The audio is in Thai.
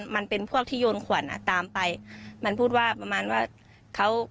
มันเป็นพวกที่โยนขวดอ่ะตามไปมันพูดว่าประมาณว่าเขา